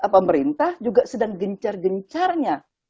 pemerintah juga sedang gencar gencarnya